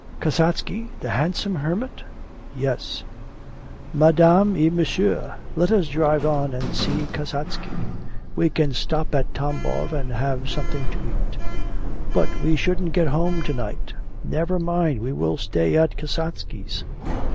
'Kasatsky, the handsome hermit?' 'Yes.' 'Mesdames et messieurs, let us drive on and see Kasatsky! We can stop at Tambov and have something to eat.' 'But we shouldn't get home to night!' 'Never mind, we will stay at Kasatsky's.